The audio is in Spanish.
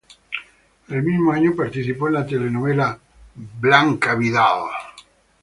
El mismo año participó en la telenovela "Bianca Vidal".